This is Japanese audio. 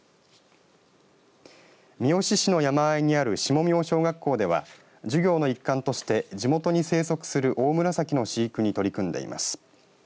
三好市の山あいにある下名小学校では授業の一環として地元に生息するオオムラサキの飼育に取り組んでいます。